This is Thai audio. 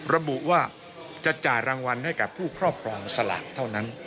ระบุว่าจะจ่ายรางวัลให้กับผู้ครอบครองสลากเท่านั้น